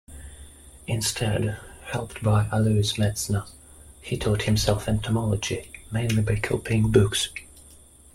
Instead, helped by Alois Metzner, he taught himself entomology mainly by copying books.